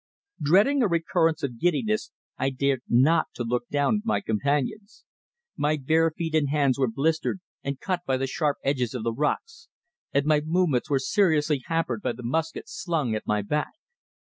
Dreading a recurrence of giddiness I dared not to look down at my companions. My bare feet and hands were blistered and cut by the sharp edges of the rocks, and my movements were seriously hampered by the musket slung at my back.